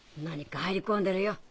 何か入り込んでるよ。